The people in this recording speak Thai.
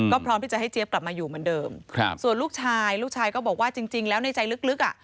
ก็พร้อมที่จะให้เจี๊ยบกลับมาอยู่เหมือนเดิมครับส่วนลูกชายลูกชายก็บอกว่าจริงจริงแล้วในใจลึกอ่ะ